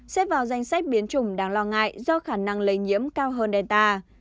xếp vào danh sách biến chủng đáng lo ngại do khả năng lây nhiễm cao hơn delta